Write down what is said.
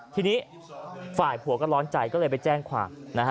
ทีนี้ฝ่ายผัวก็ร้อนใจก็เลยไปแจ้งความนะฮะ